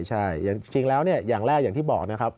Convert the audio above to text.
ใช่อย่างจริงแล้วอย่างแรกอย่างที่บอกนะครับ